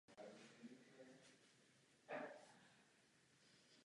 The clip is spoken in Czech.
Autorova socha je vpravo od vchodu.